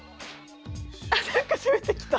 あなんか攻めてきた！